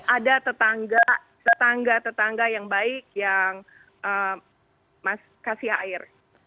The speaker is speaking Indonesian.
ada tetangga tetangga yang baik yang kasih air